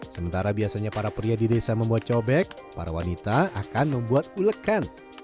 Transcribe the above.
sementara biasanya para pria di desa membuat cobek para wanita akan membuat ulekan